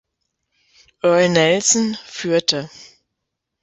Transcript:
Earl Nelson, führte.